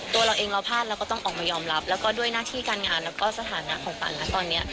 ตัวเราเองเราพลาดเราก็ต้องออกมายอมรับแล้วก็ด้วยหน้าที่การงานแล้วก็สถานะของขวัญนะตอนนี้